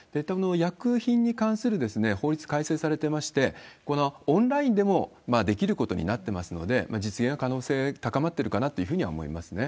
薬品に関する法律改正されてまして、オンラインでもできることになってますので、実現は可能性は高まっているかなと思いますね。